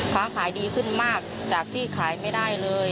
ค้าขายดีขึ้นมากจากที่ขายไม่ได้เลย